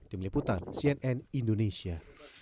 tim liputan cnn indonesia